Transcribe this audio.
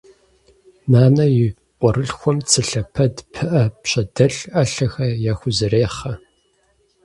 Нанэ и къуэрылъхухэм цы лъэпэд, пыӏэ, пщэдэлъ, ӏэлъэхэр яхузэрехъэ.